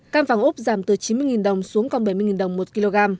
cam vàng úc giảm từ chín mươi đồng xuống còn bảy mươi đồng một kg